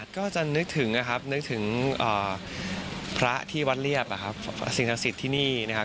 ก็จะนึกถึงพระที่วัดเรียบสิ่งทักศิษย์ที่นี่นะครับ